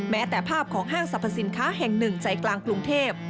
แม้แต่ภาพของห้างสรรพสินค้าแห่งหนึ่งใจกลางกรุงเทพ